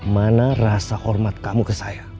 mana rasa hormat kamu ke saya